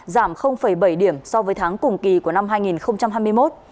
giảm bảy điểm so với tháng cùng kỳ của năm hai nghìn hai mươi một